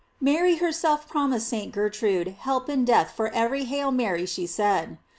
§ Mary her self promised St. Gertrude help in death for every ''Hail Mary" she said.